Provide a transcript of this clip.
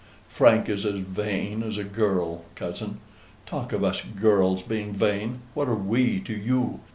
Frank is as vain as a girl, cousin. Talk of us girls being vain, what are WE to you?